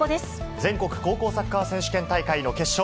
全国高校サッカー選手権大会の決勝。